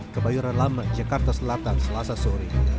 kebayoran lama jakarta selatan selasa sore